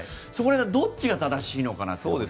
そこら辺はどっちが正しいのかなって。